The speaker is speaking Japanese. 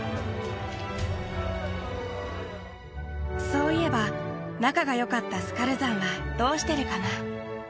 ・そういえば仲が良かったスカルザンはどうしてるかな。